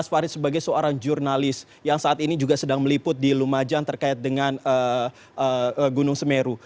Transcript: mas farid sebagai seorang jurnalis yang saat ini juga sedang meliput di lumajang terkait dengan gunung semeru